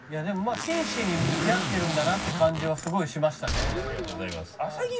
でも真摯に向き合ってるんだなって感じはすごいしましたね。